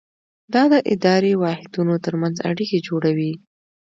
دا د اداري واحدونو ترمنځ اړیکې جوړوي.